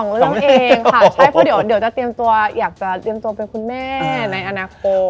เรื่องเองค่ะใช่เพราะเดี๋ยวจะเตรียมตัวอยากจะเตรียมตัวเป็นคุณแม่ในอนาคต